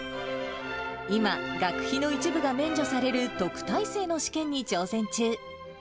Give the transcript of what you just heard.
今、学費の一部が免除される特待生の試験に挑戦中。